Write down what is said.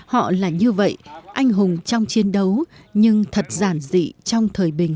họ là như vậy anh hùng trong chiến đấu nhưng thật giản dị trong thời bình